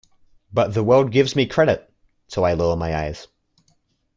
But the world gives me the credit, so I lower my eyes.